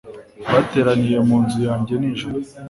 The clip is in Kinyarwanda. Bateraniye mu nzu yanjye nijoro